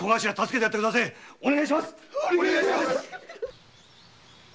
お願いします‼